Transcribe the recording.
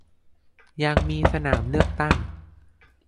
ยังมีสนามเลือกตั้ง